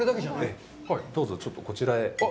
どうぞ、ちょっとこちらへ。